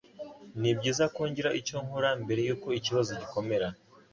Nibyiza ko ngira icyo nkora mbere yuko ikibazo gikomera